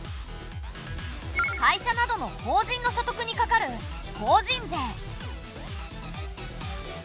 会社などの法人の所得にかかる法人税。